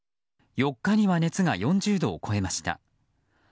４日には熱が４０度を超えました。